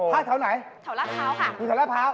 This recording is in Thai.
ผ้าเท่าไหนเท่าราพร้าวค่ะที่เท่าราพร้าว